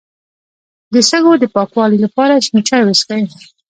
د سږو د پاکوالي لپاره شین چای وڅښئ